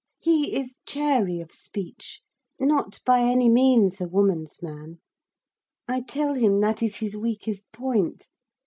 He is chary of speech; not by any means a woman's man. I tell him that is his weakest point.